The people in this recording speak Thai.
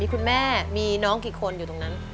คุณแม่มีน้องกี่คนอยู่ตรงนั้น